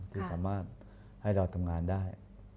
ที่สามารถให้เราทำงานได้